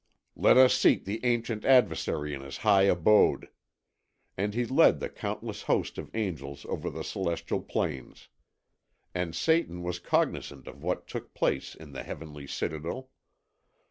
Let us seek the ancient adversary in his high abode." And he led the countless host of angels over the celestial plains. And Satan was cognizant of what took place in the heavenly citadel.